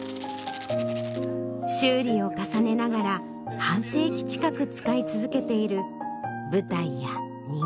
修理を重ねながら半世紀近く使い続けている舞台や人形。